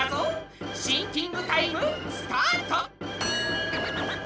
シンキングタイムスタート！